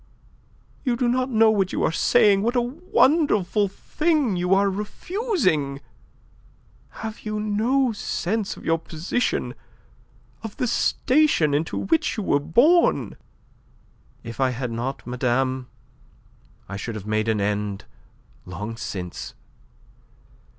You do not know what you are saying, what a wonderful thing you are refusing. Have you no sense of your position, of the station into which you were born?" "If I had not, madame, I should have made an end long since.